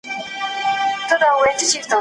درس دوام لري.